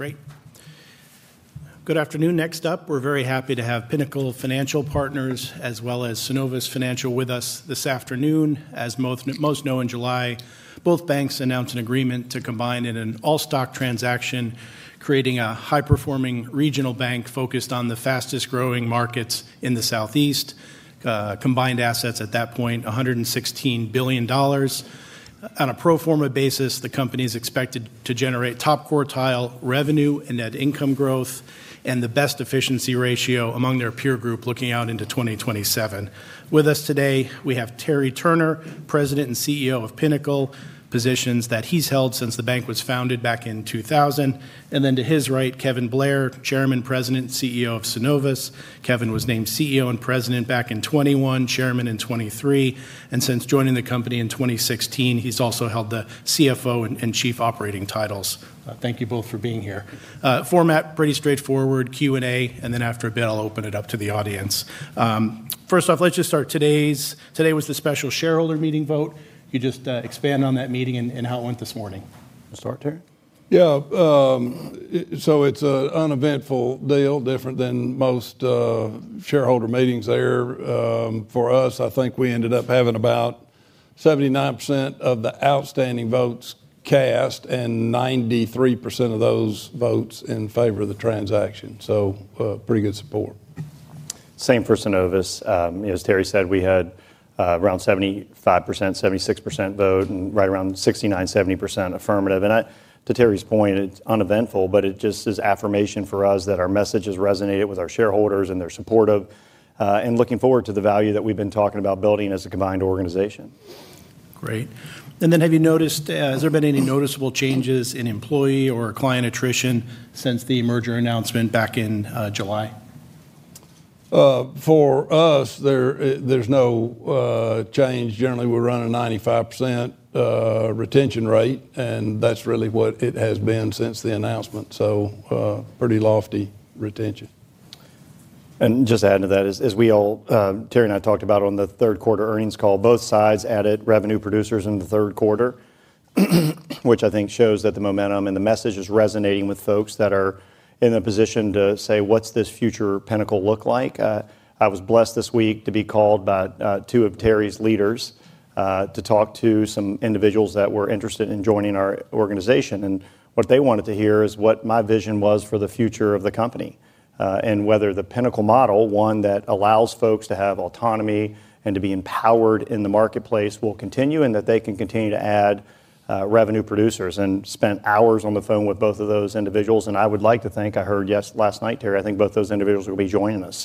Great. Good afternoon. Next up, we're very happy to have Pinnacle Financial Partners, as well as Synovus Financial, with us this afternoon. As most know, in July, both banks announced an agreement to combine in an all-stock transaction, creating a high-performing regional bank focused on the fastest-growing markets in the Southeast. Combined assets at that point: $116 billion. On a proforma basis, the company is expected to generate top-quartile revenue and net income growth and the best efficiency ratio among their peer group looking out into 2027. With us today, we have Terry Turner, President and CEO of Pinnacle, positions that he's held since the bank was founded back in 2000. And then to his right, Kevin Blair, Chairman, President, CEO of Synovus. Kevin was named CEO and President back in 2021, Chairman in 2023, and since joining the company in 2016, he's also held the CFO and Chief Operating Titles. Thank you both for being here. Format pretty straightforward: Q&A, and then after a bit, I'll open it up to the audience. First off, let's just start today's. Today was the special shareholder meeting vote. Could you just expand on that meeting and how it went this morning? We'll start, Terry. Yeah. So it's an uneventful deal, different than most. Shareholder meetings there. For us, I think we ended up having about 79% of the outstanding votes cast and 93% of those votes in favor of the transaction. So pretty good support. Same for Synovus. As Terry said, we had around 75%-76% vote, and right around 69%-70% affirmative. To Terry's point, it is uneventful, but it just is affirmation for us that our message has resonated with our shareholders and their support of, and looking forward to the value that we have been talking about building as a combined organization. Great. Have you noticed, has there been any noticeable changes in employee or client attrition since the merger announcement back in July? For us, there's no change. Generally, we're running a 95% retention rate, and that's really what it has been since the announcement. So pretty lofty retention. Just adding to that, as we all, Terry and I talked about on the third-quarter earnings call, both sides added revenue producers in the third quarter. Which I think shows that the momentum and the message is resonating with folks that are in the position to say, what's this future Pinnacle look like? I was blessed this week to be called by two of Terry's leaders to talk to some individuals that were interested in joining our organization. What they wanted to hear is what my vision was for the future of the company and whether the Pinnacle model, one that allows folks to have autonomy and to be empowered in the marketplace, will continue and that they can continue to add revenue producers. I spent hours on the phone with both of those individuals. I would like to think I heard yes last night, Terry. I think both those individuals will be joining us.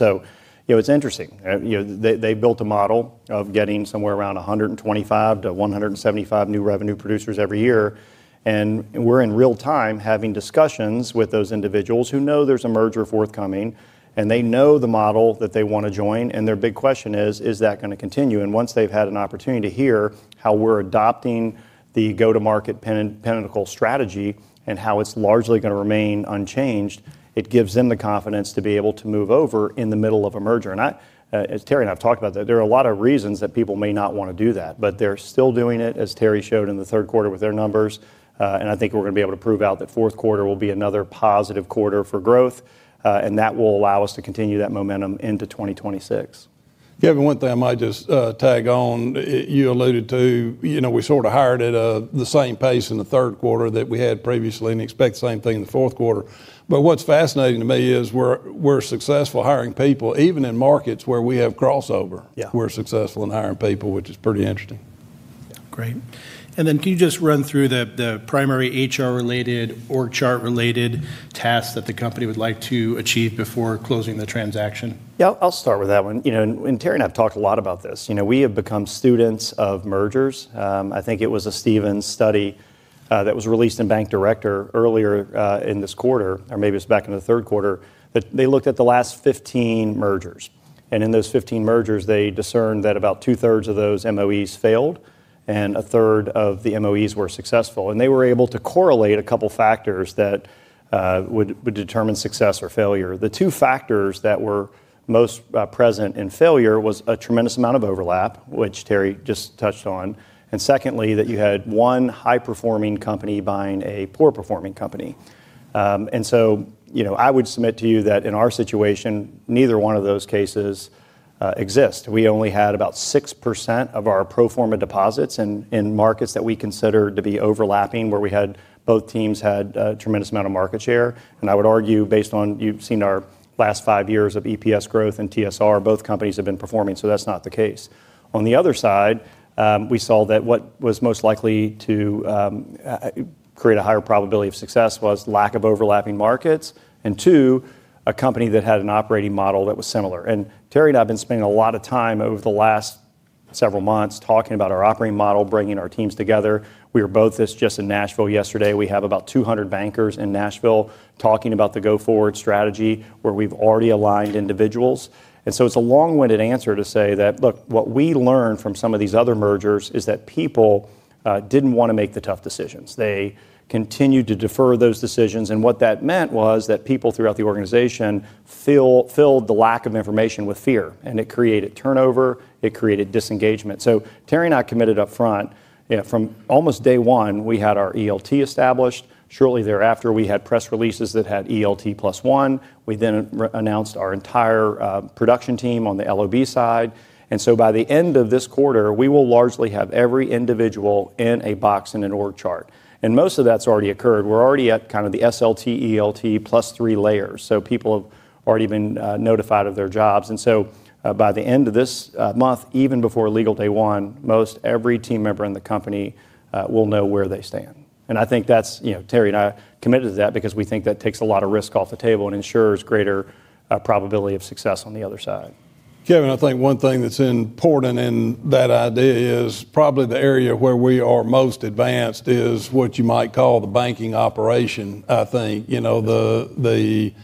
It is interesting. They built a model of getting somewhere around 125-175 new revenue producers every year. We are in real time having discussions with those individuals who know there is a merger forthcoming, and they know the model that they want to join. Their big question is, is that going to continue? Once they have had an opportunity to hear how we are adopting the go-to-market Pinnacle strategy and how it is largely going to remain unchanged, it gives them the confidence to be able to move over in the middle of a merger. Terry and I have talked about that. There are a lot of reasons that people may not want to do that, but they are still doing it, as Terry showed in the third quarter with their numbers. I think we're going to be able to prove out that fourth quarter will be another positive quarter for growth, and that will allow us to continue that momentum into 2026. Yeah. One thing I might just tag on, you alluded to, we sort of hired at the same pace in the third quarter that we had previously and expect the same thing in the fourth quarter. What is fascinating to me is we're successful hiring people even in markets where we have crossover. We're successful in hiring people, which is pretty interesting. Great. Can you just run through the primary HR-related or org chart-related tasks that the company would like to achieve before closing the transaction? Yeah, I'll start with that one. Terry and I have talked a lot about this. We have become students of mergers. I think it was a Stevens study that was released in Bank Director earlier in this quarter, or maybe it was back in the third quarter, that they looked at the last 15 mergers. In those 15 mergers, they discerned that about 2/3 of those MOEs failed and a third of the MOEs were successful. They were able to correlate a couple of factors that would determine success or failure. The two factors that were most present in failure were a tremendous amount of overlap, which Terry just touched on. Secondly, that you had one high-performing company buying a poor-performing company. I would submit to you that in our situation, neither one of those cases exist. We only had about 6% of our proforma deposits in markets that we consider to be overlapping, where we had both teams had a tremendous amount of market share. I would argue, based on you've seen our last five years of EPS growth and TSR, both companies have been performing, so that's not the case. On the other side, we saw that what was most likely to create a higher probability of success was lack of overlapping markets and, two, a company that had an operating model that was similar. Terry and I have been spending a lot of time over the last several months talking about our operating model, bringing our teams together. We were both just in Nashville yesterday. We have about 200 bankers in Nashville talking about the go-forward strategy, where we've already aligned individuals. It's a long-winded answer to say that, look, what we learned from some of these other mergers is that people did not want to make the tough decisions. They continued to defer those decisions. What that meant was that people throughout the organization filled the lack of information with fear, and it created turnover. It created disengagement. Terry and I committed upfront. From almost day one, we had our ELT established. Shortly thereafter, we had press releases that had ELT plus one. We then announced our entire production team on the LOB side. By the end of this quarter, we will largely have every individual in a box in an org chart. Most of that has already occurred. We are already at kind of the SLT, ELT plus three layers. People have already been notified of their jobs. By the end of this month, even before legal day one, most every team member in the company will know where they stand. I think that is something Terry and I committed to because we think that takes a lot of risk off the table and ensures greater probability of success on the other side. Kevin, I think one thing that's important in that idea is probably the area where we are most advanced is what you might call the banking operation, I think. The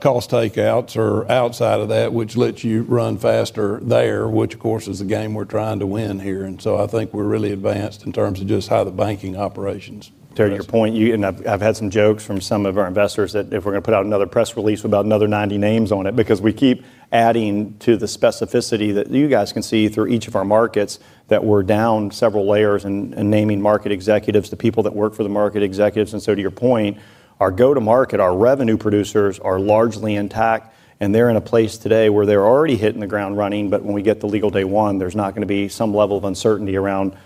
cost takeouts are outside of that, which lets you run faster there, which, of course, is the game we're trying to win here. I think we're really advanced in terms of just how the banking operations. Terry, to your point, and I've had some jokes from some of our investors that if we're going to put out another press release with about another 90 names on it, because we keep adding to the specificity that you guys can see through each of our markets that we're down several layers in naming market executives, the people that work for the market executives. To your point, our go-to-market, our revenue producers are largely intact, and they're in a place today where they're already hitting the ground running. When we get to legal day one, there's not going to be some level of uncertainty around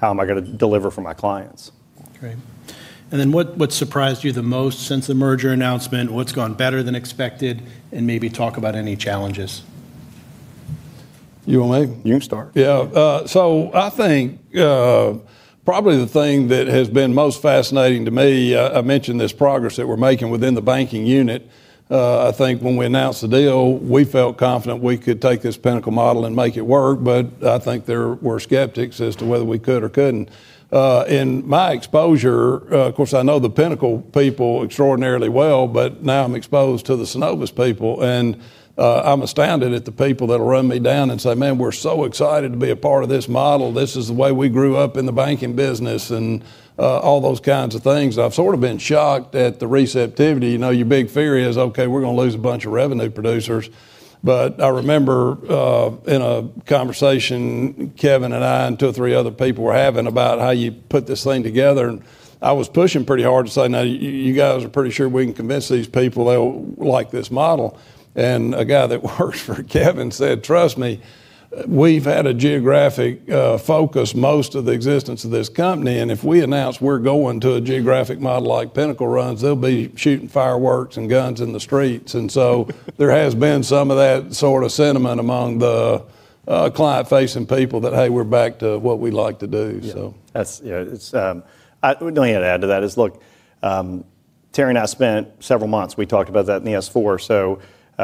how am I going to deliver for my clients. Great. What surprised you the most since the merger announcement? What's gone better than expected? Maybe talk about any challenges. You want me? You can start. Yeah. So I think probably the thing that has been most fascinating to me, I mentioned this progress that we're making within the banking unit. I think when we announced the deal, we felt confident we could take this Pinnacle model and make it work. But I think there were skeptics as to whether we could or couldn't. In my exposure, of course, I know the Pinnacle people extraordinarily well, but now I'm exposed to the Synovus people. And I'm astounded at the people that will run me down and say, "Man, we're so excited to be a part of this model. This is the way we grew up in the banking business," and all those kinds of things. I've sort of been shocked at the receptivity. You know, your big fear is, okay, we're going to lose a bunch of revenue producers. But I remember in a conversation, Kevin and I and two or three other people were having about how you put this thing together. I was pushing pretty hard to say, "Now, you guys are pretty sure we can convince these people they'll like this model." A guy that works for Kevin said, "Trust me, we've had a geographic focus most of the existence of this company. If we announce we're going to a geographic model like Pinnacle runs, they'll be shooting fireworks and guns in the streets." There has been some of that sort of sentiment among the client-facing people that, "Hey, we're back to what we like to do. Yeah. I only had to add to that is, look. Terry and I spent several months, we talked about that in the S-4.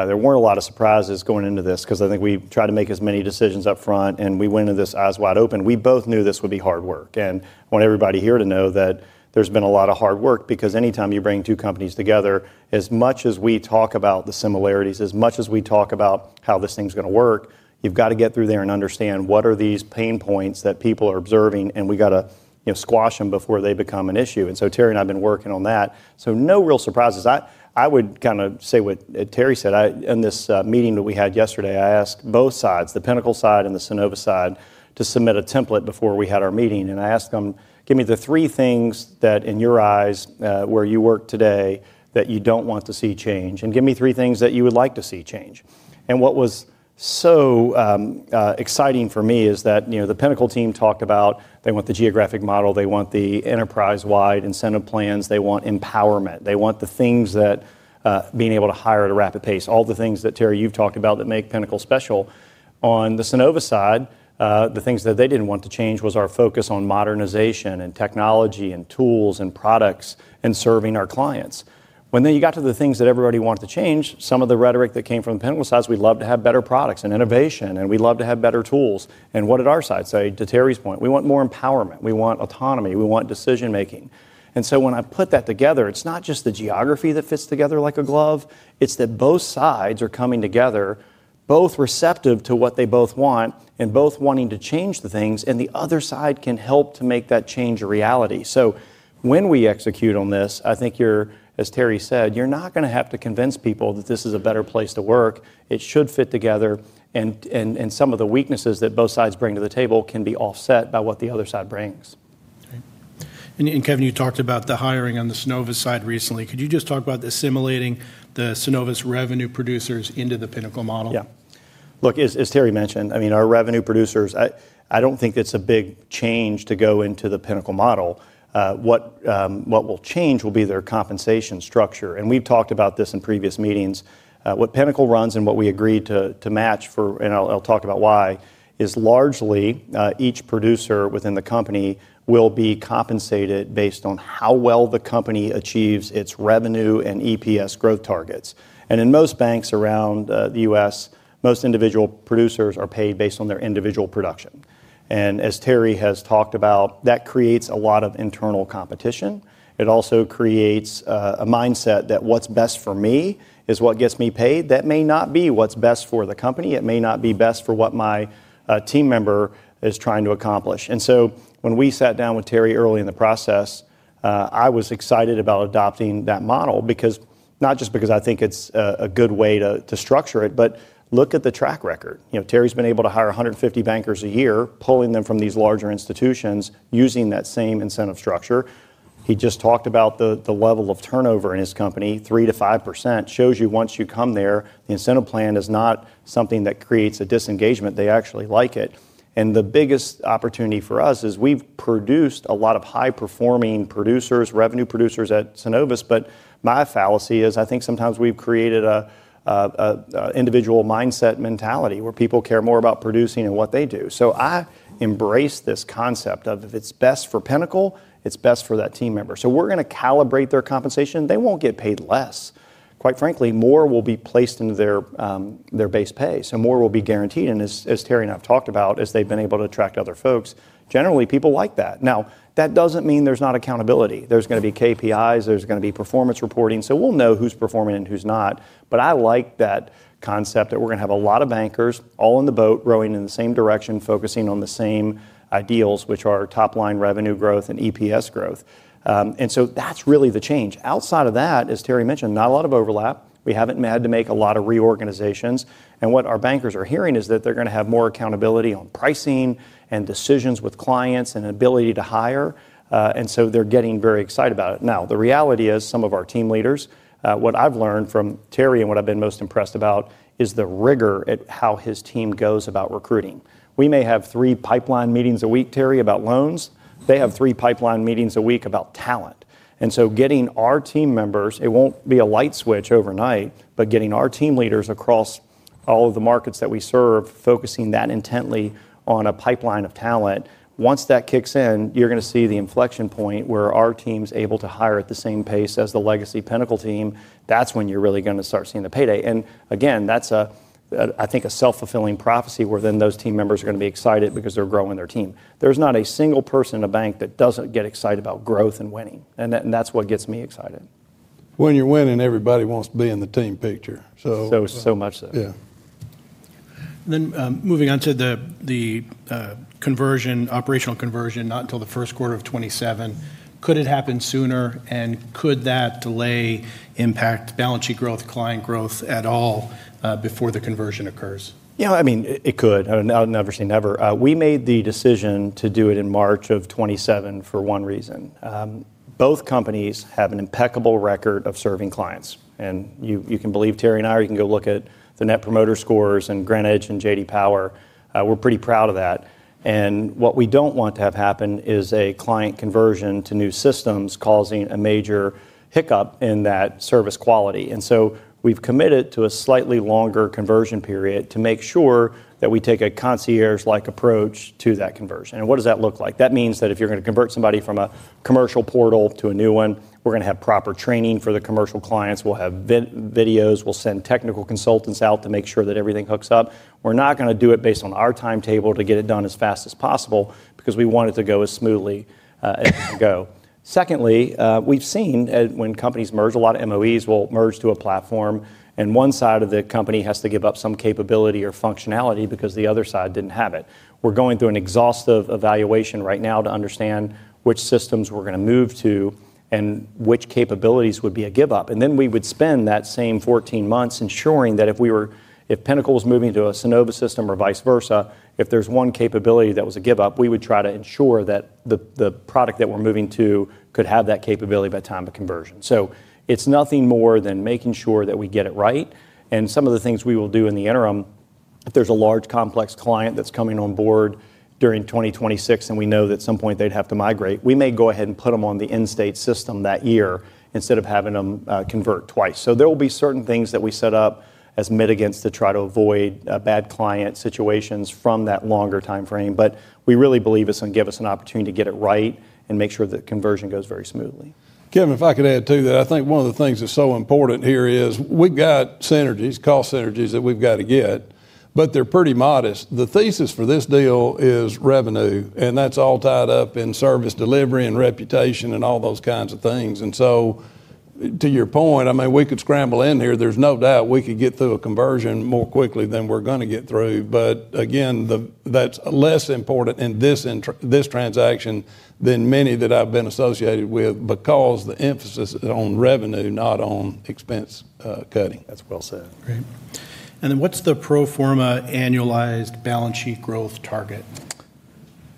There were not a lot of surprises going into this because I think we tried to make as many decisions upfront, and we went into this eyes wide open. We both knew this would be hard work. I want everybody here to know that there has been a lot of hard work because anytime you bring two companies together, as much as we talk about the similarities, as much as we talk about how this thing is going to work, you have to get through there and understand what are these pain points that people are observing, and we have to squash them before they become an issue. Terry and I have been working on that. No real surprises. I would kind of say what Terry said. In this meeting that we had yesterday, I asked both sides, the Pinnacle side and the Synovus side, to submit a template before we had our meeting. I asked them, "Give me the three things that in your eyes, where you work today, that you don't want to see change. And give me three things that you would like to see change." What was exciting for me is that the Pinnacle team talked about they want the geographic model, they want the enterprise-wide incentive plans, they want empowerment, they want the things that, being able to hire at a rapid pace, all the things that Terry, you've talked about that make Pinnacle special. On the Synovus side, the things that they did not want to change was our focus on modernization and technology and tools and products and serving our clients. When you got to the things that everybody wanted to change, some of the rhetoric that came from the Pinnacle side is we'd love to have better products and innovation, and we'd love to have better tools. What did our side say? To Terry's point, we want more empowerment. We want autonomy. We want decision-making. When I put that together, it is not just the geography that fits together like a glove. It is that both sides are coming together, both receptive to what they both want and both wanting to change the things, and the other side can help to make that change a reality. When we execute on this, I think you're, as Terry said, you're not going to have to convince people that this is a better place to work. It should fit together. Some of the weaknesses that both sides bring to the table can be offset by what the other side brings. Kevin, you talked about the hiring on the Synovus side recently. Could you just talk about assimilating the Synovus revenue producers into the Pinnacle model? Yeah. Look, as Terry mentioned, I mean, our revenue producers, I do not think it is a big change to go into the Pinnacle model. What will change will be their compensation structure. We have talked about this in previous meetings. What Pinnacle runs and what we agreed to match for, and I will talk about why, is largely each producer within the company will be compensated based on how well the company achieves its revenue and EPS growth targets. In most banks around the U.S., most individual producers are paid based on their individual production. As Terry has talked about, that creates a lot of internal competition. It also creates a mindset that what is best for me is what gets me paid. That may not be what is best for the company. It may not be best for what my team member is trying to accomplish. When we sat down with Terry early in the process, I was excited about adopting that model, not just because I think it is a good way to structure it, but look at the track record. Terry has been able to hire 150 bankers a year, pulling them from these larger institutions, using that same incentive structure. He just talked about the level of turnover in his company, 3%, 5%, shows you once you come there, the incentive plan is not something that creates a disengagement. They actually like it. The biggest opportunity for us is we have produced a lot of high-performing producers, revenue producers at Synovus. My fallacy is I think sometimes we have created an individual mindset mentality where people care more about producing and what they do. I embrace this concept of if it is best for Pinnacle, it is best for that team member. We're going to calibrate their compensation. They won't get paid less. Quite frankly, more will be placed into their base pay. So more will be guaranteed. As Terry and I have talked about, as they've been able to attract other folks, generally, people like that. That doesn't mean there's not accountability. There's going to be KPIs. There's going to be performance reporting. We'll know who's performing and who's not. I like that concept that we're going to have a lot of bankers all in the boat rowing in the same direction, focusing on the same ideals, which are top-line revenue growth and EPS growth. That's really the change. Outside of that, as Terry mentioned, not a lot of overlap. We haven't had to make a lot of reorganizations. What our bankers are hearing is that they're going to have more accountability on pricing and decisions with clients and ability to hire. They're getting very excited about it. The reality is some of our team leaders, what I've learned from Terry and what I've been most impressed about is the rigor at how his team goes about recruiting. We may have three pipeline meetings a week, Terry, about loans. They have three pipeline meetings a week about talent. Getting our team members, it won't be a light switch overnight, but getting our team leaders across all of the markets that we serve, focusing that intently on a pipeline of talent, once that kicks in, you're going to see the inflection point where our team's able to hire at the same pace as the legacy Pinnacle team. That's when you're really going to start seeing the payday. Again, that's, I think, a self-fulfilling prophecy where then those team members are going to be excited because they're growing their team. There's not a single person in a bank that doesn't get excited about growth and winning. That's what gets me excited. When you're winning, everybody wants to be in the team picture. So much so. Yeah. Moving on to the conversion. Operational conversion, not until the first quarter of 2027. Could it happen sooner? And could that delay impact balance sheet growth, client growth at all before the conversion occurs? Yeah. I mean, it could. I would never say never. We made the decision to do it in March of 2027 for one reason. Both companies have an impeccable record of serving clients. And you can believe Terry and I. You can go look at the Net Promoter Scores and GreenEdge and J.D. Power. We're pretty proud of that. What we don't want to have happen is a client conversion to new systems causing a major hiccup in that service quality. We have committed to a slightly longer conversion period to make sure that we take a concierge-like approach to that conversion. What does that look like? That means that if you're going to convert somebody from a commercial portal to a new one, we're going to have proper training for the commercial clients. We'll have videos. We'll send technical consultants out to make sure that everything hooks up. We're not going to do it based on our timetable to get it done as fast as possible because we want it to go as smoothly as it can go. Secondly, we've seen when companies merge, a lot of MOEs will merge to a platform. One side of the company has to give up some capability or functionality because the other side didn't have it. We're going through an exhaustive evaluation right now to understand which systems we're going to move to and which capabilities would be a give-up. We would spend that same 14 months ensuring that if Pinnacle was moving to a Synovus system or vice versa, if there is one capability that was a give-up, we would try to ensure that the product that we are moving to could have that capability by the time of conversion. It is nothing more than making sure that we get it right. Some of the things we will do in the interim, if there is a large complex client that is coming on board during 2026 and we know that at some point they would have to migrate, we may go ahead and put them on the in-state system that year instead of having them convert twice. There will be certain things that we set up as mitigants to try to avoid bad client situations from that longer time frame. We really believe it's going to give us an opportunity to get it right and make sure that conversion goes very smoothly. Kevin, if I could add to that, I think one of the things that's so important here is we've got synergies, cost synergies that we've got to get, but they're pretty modest. The thesis for this deal is revenue. And that's all tied up in service delivery and reputation and all those kinds of things. To your point, I mean, we could scramble in here. There's no doubt we could get through a conversion more quickly than we're going to get through. Again, that's less important in this transaction than many that I've been associated with because the emphasis is on revenue, not on expense cutting. That's well said. Great. What's the proforma annualized balance sheet growth target?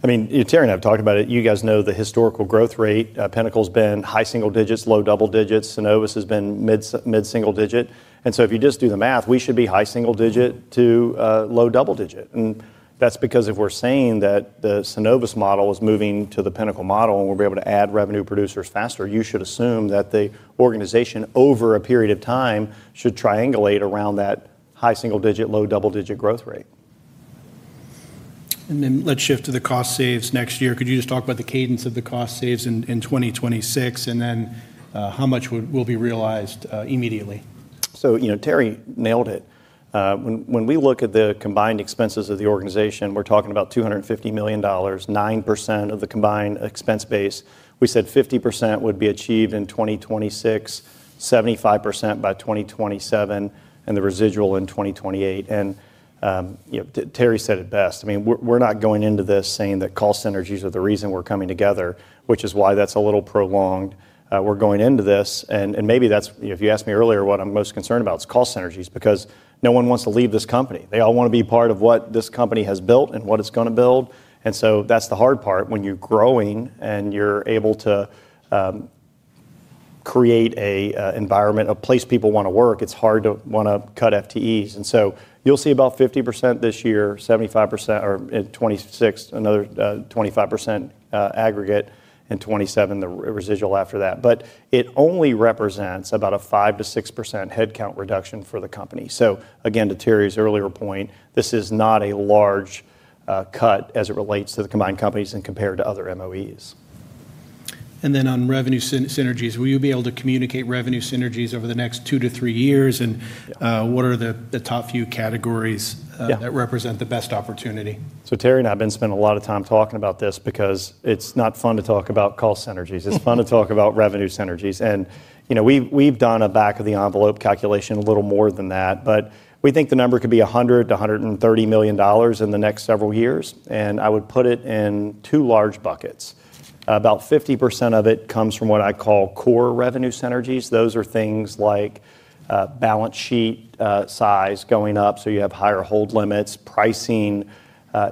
I mean, Terry and I have talked about it. You guys know the historical growth rate. Pinnacle has been high single digits, low double digits. Synovus has been mid-single digit. If you just do the math, we should be high single digit to low double digit. That is because if we are saying that the Synovus model is moving to the Pinnacle model and we will be able to add revenue producers faster, you should assume that the organization over a period of time should triangulate around that high single digit, low double digit growth rate. Let's shift to the cost saves next year. Could you just talk about the cadence of the cost saves in 2026 and then how much will be realized immediately? Terry nailed it. When we look at the combined expenses of the organization, we're talking about $250 million, 9% of the combined expense base. We said 50% would be achieved in 2026, 75% by 2027, and the residual in 2028. Terry said it best. I mean, we're not going into this saying that cost synergies are the reason we're coming together, which is why that's a little prolonged. We're going into this. And maybe that's, if you asked me earlier what I'm most concerned about, it's cost synergies because no one wants to leave this company. They all want to be part of what this company has built and what it's going to build. That's the hard part when you're growing and you're able to create an environment, a place people want to work. It's hard to want to cut FTEs. You will see about 50% this year, 75% in 2026, another 25% aggregate, and in 2027, the residual after that. It only represents about a 5%-6% headcount reduction for the company. Again, to Terry's earlier point, this is not a large cut as it relates to the combined companies and compared to other MOEs. On revenue synergies, will you be able to communicate revenue synergies over the next two to three years? What are the top few categories that represent the best opportunity? Terry and I have been spending a lot of time talking about this because it's not fun to talk about cost synergies. It's fun to talk about revenue synergies. We've done a back-of-the-envelope calculation, a little more than that. We think the number could be $100 million to $130 million in the next several years. I would put it in two large buckets. About 50% of it comes from what I call core revenue synergies. Those are things like balance sheet size going up, so you have higher hold limits, pricing,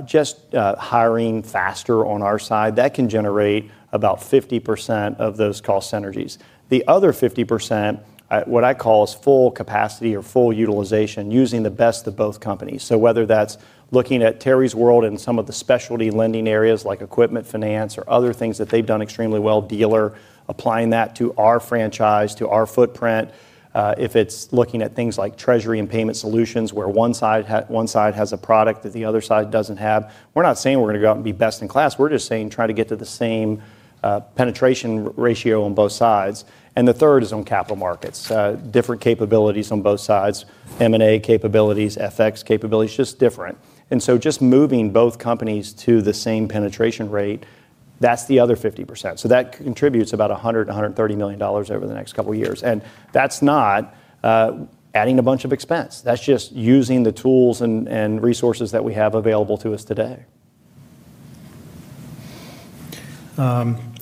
just hiring faster on our side. That can generate about 50% of those cost synergies. The other 50%, what I call is full capacity or full utilization using the best of both companies. Whether that's looking at Terry's world and some of the specialty lending areas like equipment finance or other things that they've done extremely well, Dealer, applying that to our franchise, to our footprint. If it's looking at things like treasury and payment solutions where one side has a product that the other side doesn't have, we're not saying we're going to go out and be best in class. We're just saying try to get to the same penetration ratio on both sides. The third is on capital markets. Different capabilities on both sides, M&A capabilities, FX capabilities, just different. Just moving both companies to the same penetration rate, that's the other 50%. That contributes about $100 million-$130 million over the next couple of years. That's not adding a bunch of expense. That's just using the tools and resources that we have available to us today.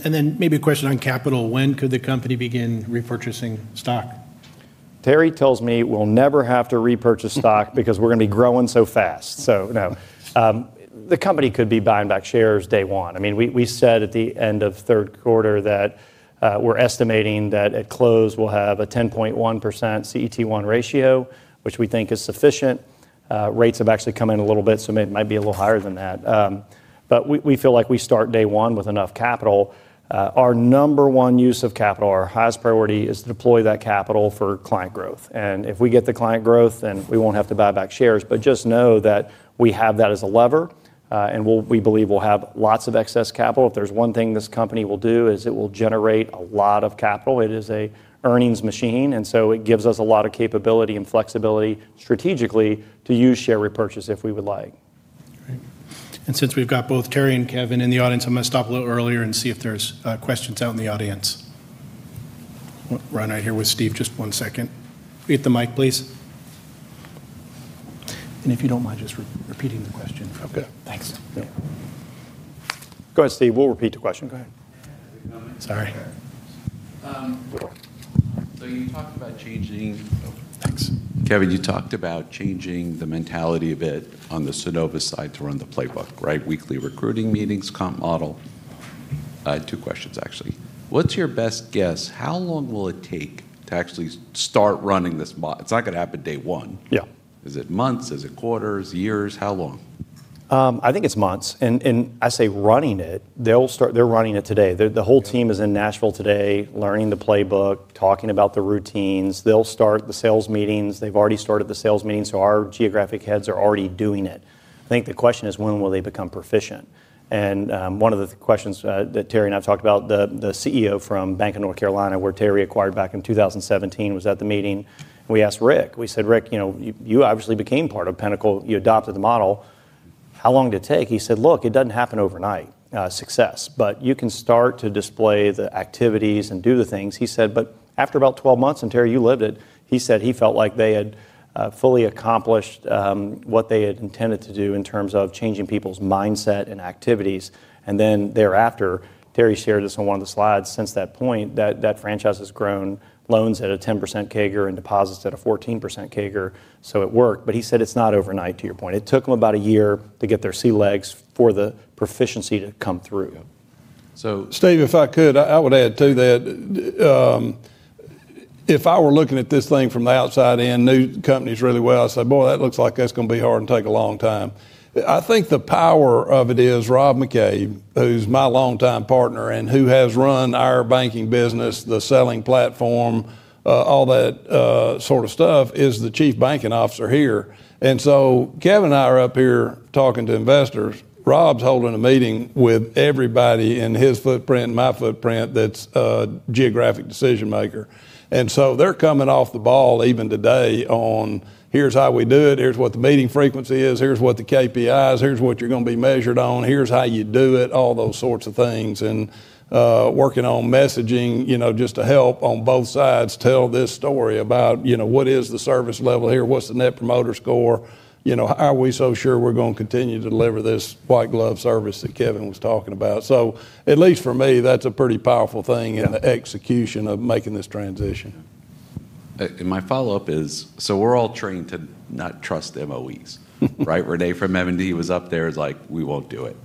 Maybe a question on capital. When could the company begin repurchasing stock? Terry tells me we'll never have to repurchase stock because we're going to be growing so fast. No, the company could be buying back shares day one. I mean, we said at the end of third quarter that we're estimating that at close we'll have a 10.1% CET1 ratio, which we think is sufficient. Rates have actually come in a little bit, so it might be a little higher than that. We feel like we start day one with enough capital. Our number one use of capital, our highest priority, is to deploy that capital for client growth. If we get the client growth, then we won't have to buy back shares. Just know that we have that as a lever. We believe we'll have lots of excess capital. If there's one thing this company will do, it will generate a lot of capital. It is an earnings machine. It gives us a lot of capability and flexibility strategically to use share repurchase if we would like. Great. Since we've got both Terry and Kevin in the audience, I'm going to stop a little earlier and see if there's questions out in the audience. Run right here with Steve just one second. Be at the mic, please. If you don't mind just repeating the question. Okay. Thanks. Go ahead, Steve. We'll repeat the question. Go ahead. Sorry. You talked about changing. Thanks. Kevin, you talked about changing the mentality a bit on the Synovus side to run the playbook, right? Weekly recruiting meetings, comp model. Two questions, actually. What's your best guess? How long will it take to actually start running this? It's not going to happen day one. Yeah. Is it months? Is it quarters, years? How long? I think it's months. I say running it, they're running it today. The whole team is in Nashville today, learning the playbook, talking about the routines. They'll start the sales meetings. They've already started the sales meetings. Our geographic heads are already doing it. I think the question is, when will they become proficient? One of the questions that Terry and I have talked about, the CEO from Bank of North Carolina, where Terry acquired back in 2017, was at the meeting. We asked Rick. We said, "Rick, you obviously became part of Pinnacle. You adopted the model. How long did it take?" He said, "Look, it doesn't happen overnight, success. You can start to display the activities and do the things. He said, "After about 12 months," and Terry, you lived it, he said he felt like they had fully accomplished what they had intended to do in terms of changing people's mindset and activities. Thereafter, Terry shared this on one of the slides, since that point, that that franchise has grown loans at a 10% CAGR and deposits at a 14% CAGR. It worked. He said it is not overnight, to your point. It took them about a year to get their sea legs for the proficiency to come through. Steve, if I could, I would add to that. If I were looking at this thing from the outside in, knew the companies really well, I'd say, "Boy, that looks like that's going to be hard and take a long time." I think the power of it is Rob McCabe, who's my longtime partner and who has run our banking business, the selling platform. All that sort of stuff, is the Chief Banking Officer here. Kevin and I are up here talking to investors. Rob's holding a meeting with everybody in his footprint and my footprint that's a geographic decision maker. They're coming off the ball even today on, "Here's how we do it. Here's what the meeting frequency is. Here's what the KPIs. Here's what you're going to be measured on. Here's how you do it," all those sorts of things. Working on messaging just to help on both sides tell this story about what is the service level here, what's the Net Promoter Score, how are we so sure we're going to continue to deliver this white glove service that Kevin was talking about. At least for me, that's a pretty powerful thing in the execution of making this transition. My follow-up is, so we're all trained to not trust MOEs, right? Renee from M&D was up there. It's like, "We won't do it."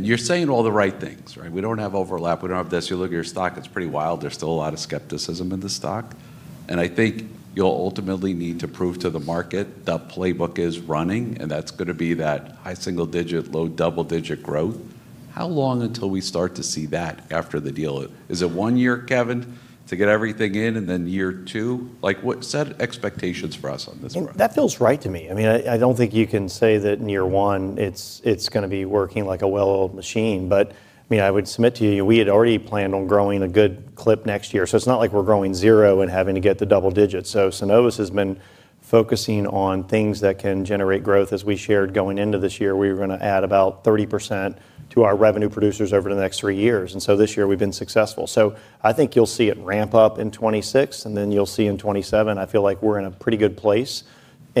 You're saying all the right things, right? We don't have overlap. We don't have this. You look at your stock, it's pretty wild. There's still a lot of skepticism in the stock. I think you'll ultimately need to prove to the market the playbook is running, and that's going to be that high single digit, low double digit growth. How long until we start to see that after the deal? Is it one year, Kevin, to get everything in and then year two? What set expectations for us on this? That feels right to me. I mean, I do not think you can say that in year one it is going to be working like a well-oiled machine. I mean, I would submit to you, we had already planned on growing at a good clip next year. It is not like we are growing zero and having to get to double digits. Synovus has been focusing on things that can generate growth. As we shared going into this year, we were going to add about 30% to our revenue producers over the next three years. This year we have been successful. I think you will see it ramp up in 2026, and then you will see in 2027. I feel like we are in a pretty good place. I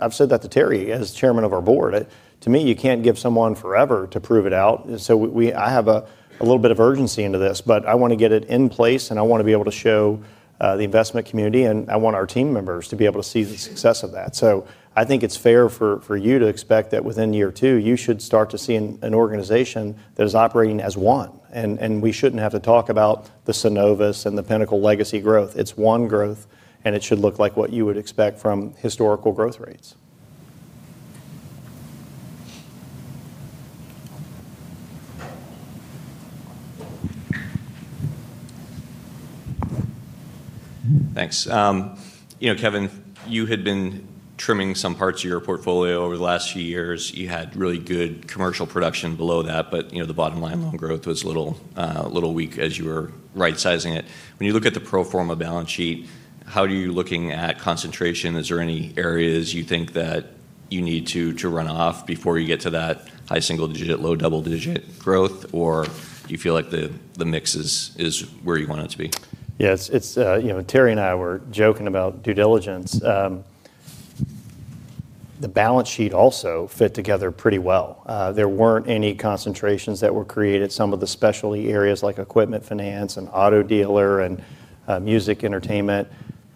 have said that to Terry as Chairman of our board. To me, you cannot give someone forever to prove it out. I have a little bit of urgency into this, but I want to get it in place, and I want to be able to show the investment community, and I want our team members to be able to see the success of that. I think it's fair for you to expect that within year two, you should start to see an organization that is operating as one. We shouldn't have to talk about the Synovus and the Pinnacle legacy growth. It's one growth, and it should look like what you would expect from historical growth rates. Thanks. Kevin, you had been trimming some parts of your portfolio over the last few years. You had really good commercial production below that, but the bottom line loan growth was a little weak as you were right-sizing it. When you look at the proforma balance sheet, how are you looking at concentration? Is there any areas you think that you need to run off before you get to that high single digit, low double digit growth, or do you feel like the mix is where you want it to be? Yeah. Terry and I were joking about due diligence. The balance sheet also fit together pretty well. There were not any concentrations that were created. Some of the specialty areas like equipment finance and auto dealer and music entertainment,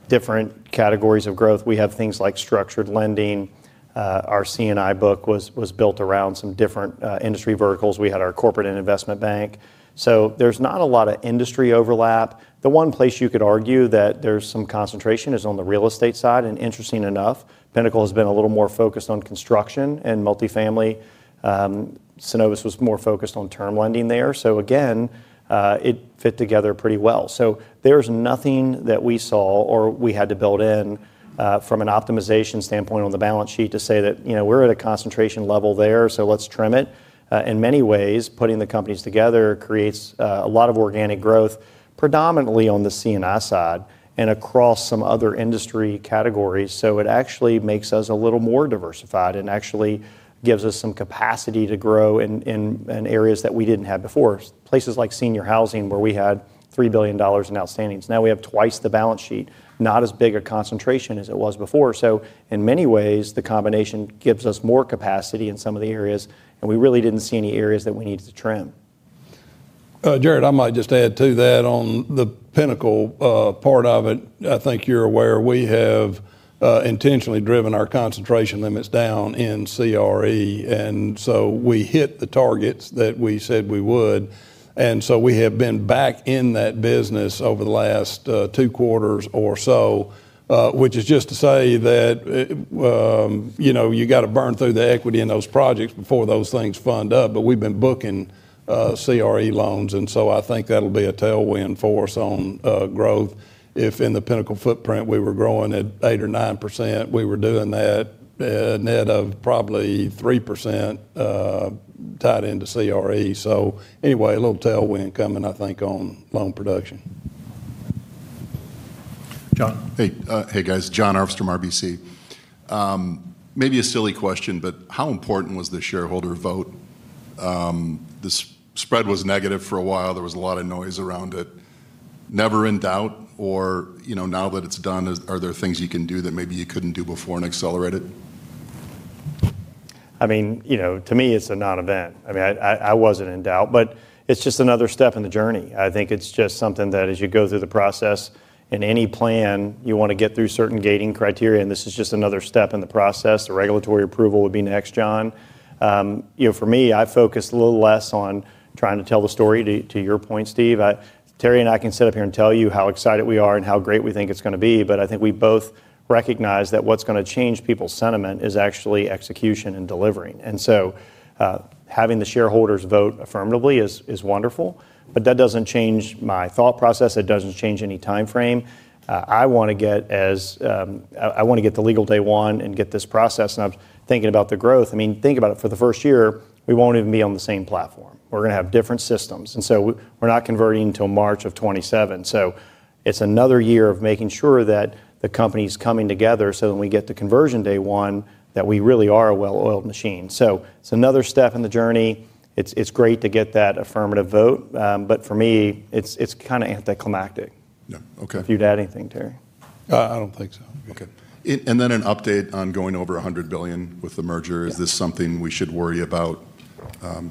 different categories of growth. We have things like structured lending. Our C&I book was built around some different industry verticals. We had our corporate and investment bank. There is not a lot of industry overlap. The one place you could argue that there is some concentration is on the real estate side. Interesting enough, Pinnacle has been a little more focused on construction and multifamily. Synovus was more focused on term lending there. It fit together pretty well. There's nothing that we saw or we had to build in from an optimization standpoint on the balance sheet to say that we're at a concentration level there, so let's trim it. In many ways, putting the companies together creates a lot of organic growth, predominantly on the C&I side and across some other industry categories. It actually makes us a little more diversified and actually gives us some capacity to grow in areas that we didn't have before. Places like senior housing, where we had $3 billion in outstandings. Now we have twice the balance sheet, not as big a concentration as it was before. In many ways, the combination gives us more capacity in some of the areas, and we really didn't see any areas that we needed to trim. Jared, I might just add to that on the Pinnacle part of it. I think you're aware we have intentionally driven our concentration limits down in CRE. We hit the targets that we said we would. We have been back in that business over the last two quarters or so, which is just to say that you have to burn through the equity in those projects before those things fund up. We have been booking CRE loans. I think that will be a tailwind for us on growth. If in the Pinnacle footprint, we were growing at 8% or 9%, we were doing that net of probably 3% tied into CRE. Anyway, a little tailwind coming, I think, on loan production. John. Hey, guys. John Armstrom, RBC. Maybe a silly question, but how important was the shareholder vote? The spread was negative for a while. There was a lot of noise around it. Never in doubt? Or now that it's done, are there things you can do that maybe you couldn't do before and accelerate it? I mean, to me, it's a non-event. I mean, I wasn't in doubt, but it's just another step in the journey. I think it's just something that as you go through the process. In any plan, you want to get through certain gating criteria, and this is just another step in the process. The regulatory approval would be next, Jon. For me, I focused a little less on trying to tell the story. To your point, Steve, Terry and I can sit up here and tell you how excited we are and how great we think it's going to be. I think we both recognize that what's going to change people's sentiment is actually execution and delivering. Having the shareholders vote affirmatively is wonderful, but that doesn't change my thought process. It doesn't change any time frame. I want to get as. I want to get the legal day one and get this processed. I mean, think about it. For the first year, we won't even be on the same platform. We're going to have different systems. We're not converting until March of 2027. It is another year of making sure that the company's coming together so that when we get to conversion day one, that we really are a well-oiled machine. It is another step in the journey. It's great to get that affirmative vote, but for me, it's kind of anticlimactic. If you'd add anything, Terry. I don't think so. Okay. And then an update on going over $100 billion with the merger. Is this something we should worry about?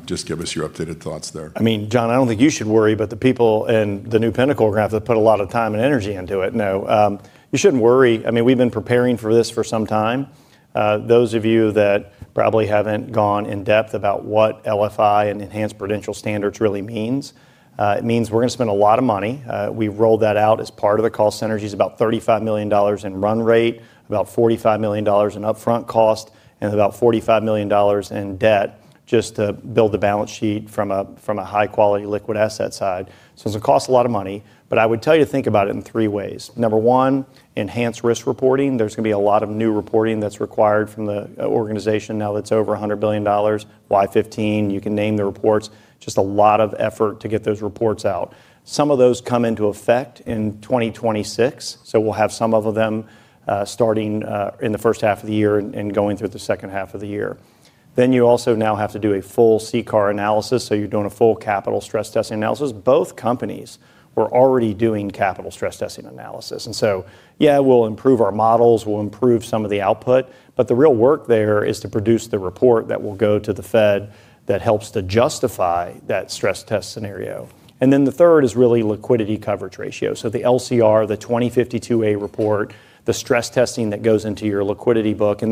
Just give us your updated thoughts there. I mean, Jon, I do not think you should worry, but the people in the new Pinnacle graph that put a lot of time and energy into it, no, you should not worry. I mean, we have been preparing for this for some time. Those of you that probably have not gone in depth about what LFI and enhanced prudential standards really means, it means we are going to spend a lot of money. We rolled that out as part of the cost synergies. About $35 million in run rate, about $45 million in upfront cost, and about $45 million in debt just to build the balance sheet from a high-quality liquid asset side. It is going to cost a lot of money, but I would tell you to think about it in three ways. Number one, enhanced risk reporting. There's going to be a lot of new reporting that's required from the organization now that's over $100 billion, Y-15, you can name the reports, just a lot of effort to get those reports out. Some of those come into effect in 2026, so we'll have some of them starting in the first half of the year and going through the second half of the year. You also now have to do a full CCAR analysis, so you're doing a full capital stress testing analysis. Both companies were already doing capital stress testing analysis. Yeah, we'll improve our models, we'll improve some of the output, but the real work there is to produce the report that will go to the Fed that helps to justify that stress test scenario. The third is really liquidity coverage ratio. The LCR, the 2052a report, the stress testing that goes into your liquidity book, and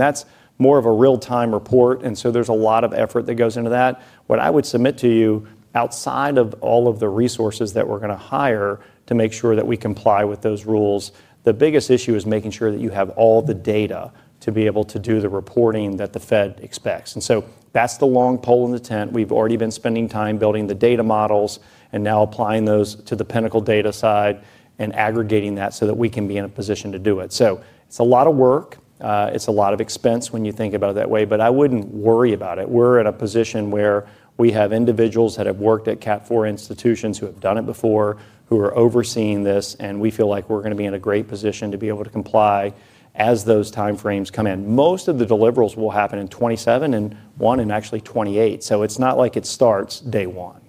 that's more of a real-time report. There is a lot of effort that goes into that. What I would submit to you, outside of all of the resources that we're going to hire to make sure that we comply with those rules, the biggest issue is making sure that you have all the data to be able to do the reporting that the Fed expects. That is the long pole in the tent. We've already been spending time building the data models and now applying those to the Pinnacle data side and aggregating that so that we can be in a position to do it. It is a lot of work. It is a lot of expense when you think about it that way, but I wouldn't worry about it. We're in a position where we have individuals that have worked at CCAR institutions who have done it before, who are overseeing this, and we feel like we're going to be in a great position to be able to comply as those time frames come in. Most of the deliverables will happen in 2027 and one in actually 2028. It is not like it starts day one.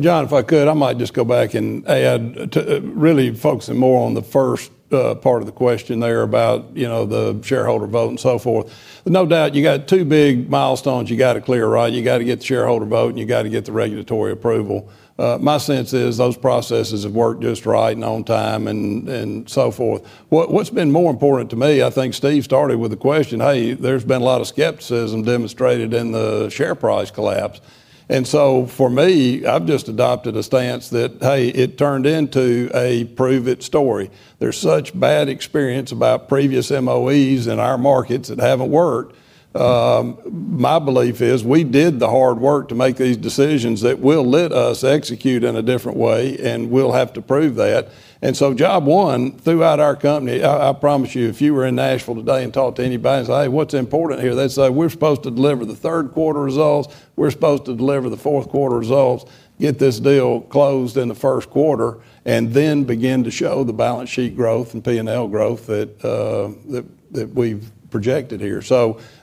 John, if I could, I might just go back and add to really focusing more on the first part of the question there about the shareholder vote and so forth. No doubt you got two big milestones you got to clear, right? You got to get the shareholder vote and you got to get the regulatory approval. My sense is those processes have worked just right and on time and so forth. What's been more important to me, I think Steve started with the question, "Hey, there's been a lot of skepticism demonstrated in the share price collapse." For me, I've just adopted a stance that, "Hey, it turned into a prove it story." There's such bad experience about previous MOEs in our markets that haven't worked. My belief is we did the hard work to make these decisions that will let us execute in a different way, and we'll have to prove that. Job one throughout our company, I promise you, if you were in Nashville today and talked to anybody and said, "Hey, what's important here?" they'd say, "We're supposed to deliver the third quarter results. We're supposed to deliver the fourth quarter results. Get this deal closed in the first quarter, and then begin to show the balance sheet growth and P&L growth that we've projected here."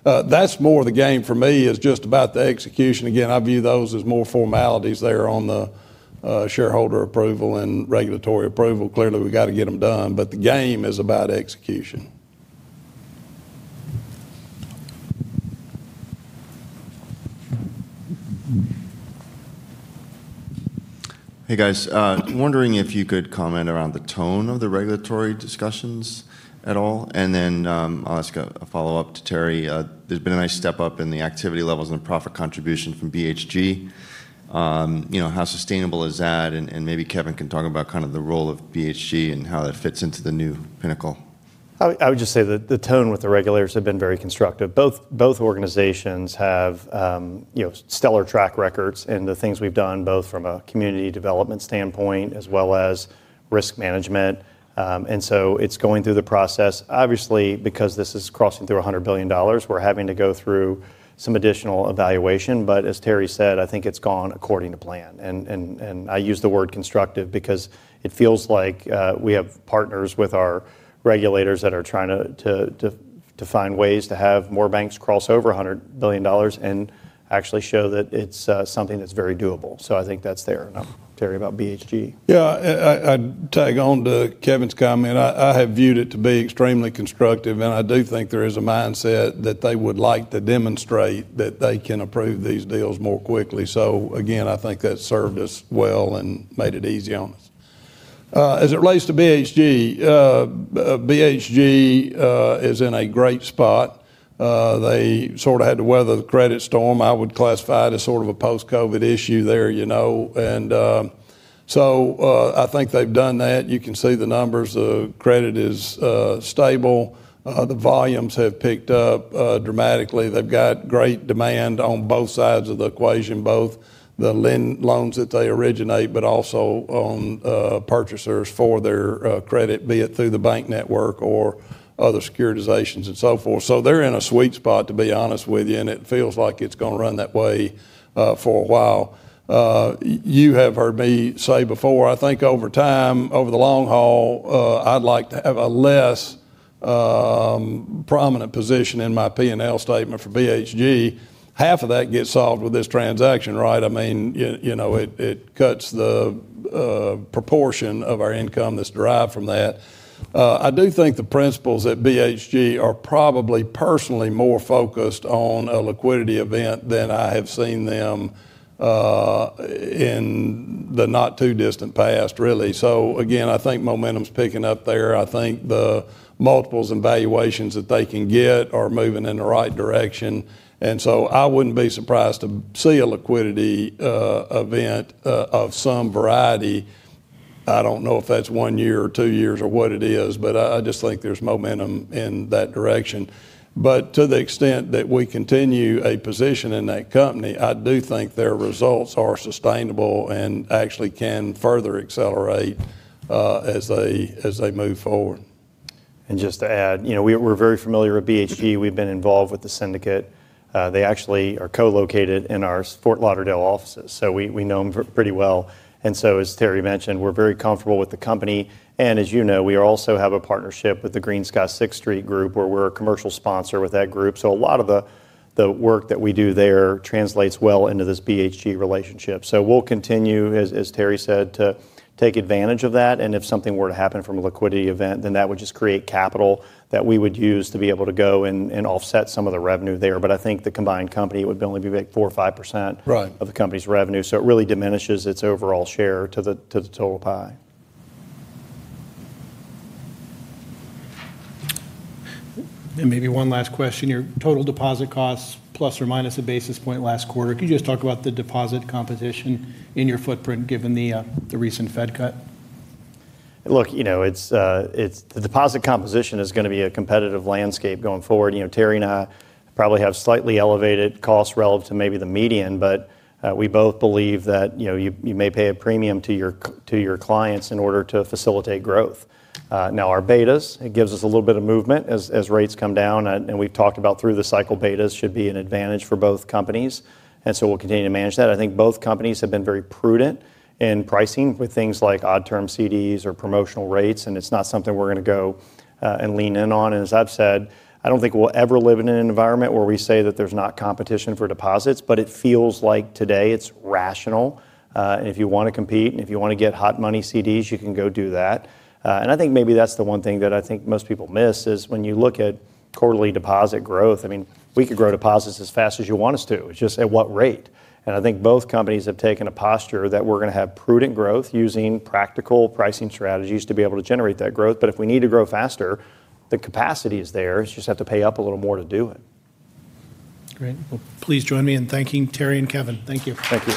That's more the game for me, just about the execution. Again, I view those as more formalities there on the shareholder approval and regulatory approval. Clearly, we've got to get them done, but the game is about execution. Hey, guys. Wondering if you could comment around the tone of the regulatory discussions at all. I'll ask a follow-up to Terry. There's been a nice step up in the activity levels and the profit contribution from BHG. How sustainable is that? Maybe Kevin can talk about kind of the role of BHG and how that fits into the new Pinnacle. I would just say that the tone with the regulators has been very constructive. Both organizations have stellar track records in the things we've done, both from a community development standpoint as well as risk management. It is going through the process. Obviously, because this is crossing through $100 billion, we're having to go through some additional evaluation. As Terry said, I think it's gone according to plan. I use the word constructive because it feels like we have partners with our regulators that are trying to find ways to have more banks cross over $100 billion and actually show that it's something that's very doable. I think that's there. Terry, about BHG. Yeah. I'd tag on to Kevin's comment. I have viewed it to be extremely constructive, and I do think there is a mindset that they would like to demonstrate that they can approve these deals more quickly. I think that served us well and made it easy on us. As it relates to BHG. BHG is in a great spot. They sort of had to weather the credit storm. I would classify it as sort of a post-COVID issue there. I think they've done that. You can see the numbers. The credit is stable. The volumes have picked up dramatically. They've got great demand on both sides of the equation, both the loans that they originate, but also on purchasers for their credit, be it through the bank network or other securitizations and so forth. They're in a sweet spot, to be honest with you, and it feels like it's going to run that way for a while. You have heard me say before, I think over time, over the long haul, I'd like to have a less prominent position in my P&L statement for BHG. Half of that gets solved with this transaction, right? I mean, it cuts the proportion of our income that's derived from that. I do think the principals at BHG are probably personally more focused on a liquidity event than I have seen them in the not too distant past, really. Again, I think momentum's picking up there. I think the multiples and valuations that they can get are moving in the right direction. I wouldn't be surprised to see a liquidity event of some variety. I don't know if that's one year or two years or what it is, but I just think there's momentum in that direction. To the extent that we continue a position in that company, I do think their results are sustainable and actually can further accelerate as they move forward. Just to add, we're very familiar with BHG. We've been involved with the syndicate. They actually are co-located in our Fort Lauderdale offices, so we know them pretty well. As Terry mentioned, we're very comfortable with the company. As you know, we also have a partnership with the GreenSky Sixth Street Group, where we're a commercial sponsor with that group. A lot of the work that we do there translates well into this BHG relationship. We'll continue, as Terry said, to take advantage of that. If something were to happen from a liquidity event, that would just create capital that we would use to be able to go and offset some of the revenue there. I think the combined company, it would only be like 4% or 5% of the company's revenue. It really diminishes its overall share to the total pie. Maybe one last question. Your total deposit costs, plus or minus a basis point last quarter, could you just talk about the deposit composition in your footprint given the recent Fed cut? Look, the deposit composition is going to be a competitive landscape going forward. Terry and I probably have slightly elevated costs relative to maybe the median, but we both believe that you may pay a premium to your clients in order to facilitate growth. Now, our betas, it gives us a little bit of movement as rates come down. We have talked about through the cycle betas should be an advantage for both companies. We will continue to manage that. I think both companies have been very prudent in pricing with things like odd-term CDs or promotional rates. It is not something we are going to go and lean in on. As I have said, I do not think we will ever live in an environment where we say that there is not competition for deposits, but it feels like today it is rational. If you want to compete, and if you want to get hot money CDs, you can go do that. I think maybe that's the one thing that I think most people miss is when you look at quarterly deposit growth, I mean, we could grow deposits as fast as you want us to. It's just at what rate? I think both companies have taken a posture that we're going to have prudent growth using practical pricing strategies to be able to generate that growth. If we need to grow faster, the capacity is there. You just have to pay up a little more to do it. Great. Please join me in thanking Terry and Kevin. Thank you. Thank you.